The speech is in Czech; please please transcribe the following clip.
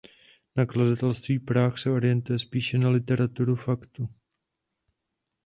Nakladatelství Práh se orientuje spíše na literaturu faktu.